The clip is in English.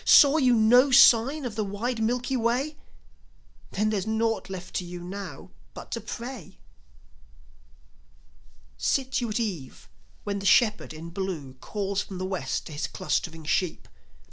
Saw you no sign on the wide Milky Way? Then there's naught left to you now but to pray. Sit you at eve when the Shepherd in Blue Calls from the West to his clustering sheep.